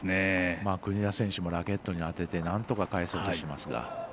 国枝選手もラケットに当ててなんとか返そうとしますが。